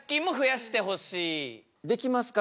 できますか？